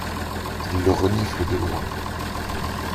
Il le renifle de loin.